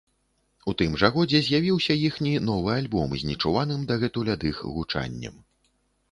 У тым жа годзе з'явіўся іхні новы альбом з нечуваным дагэтуль ад іх гучаннем.